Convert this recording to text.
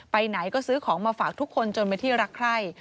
ไปไหนก็ซื้อของมาฝากทุกคนจนเป็นที่รักใคร